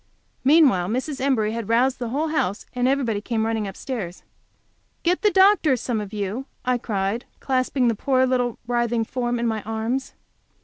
Meanwhile, Mrs. Embury had roused the whole house, and everybody came running upstairs. "Get the doctor, some of you," I cried, clasping the poor little writhing form in my arms.